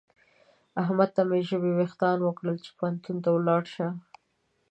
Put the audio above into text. احمد ته مې ژبې وېښتان وکړل چې پوهنتون ته ولاړ شه.